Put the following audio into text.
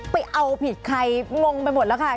ไปเอาผิดใครงงไปหมดแล้วค่ะ